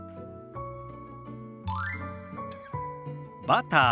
「バター」。